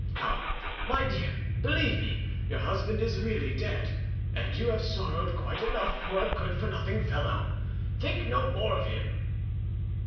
Come, my dear, believe me, your husband is really dead, and you have sorrowed quite enough for a good for nothing fellow. Think no more of him."